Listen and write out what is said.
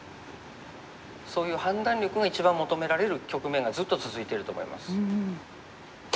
そういう判断力が一番求められる局面がずっと続いてると思います。